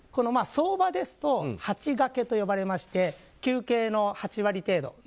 相場ですと８がけと呼ばれまして求刑の８割程度。